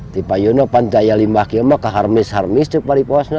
di panyuno pancaya limbah kiamok ke harmis harmis di pariposno